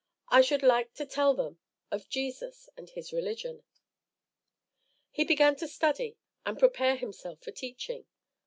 I should like to tell them of Jesus and his religion." He began to study and prepare himself for teaching.